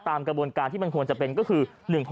ตามกระบวนการที่มันควรจะเป็นก็คือ๑๖๖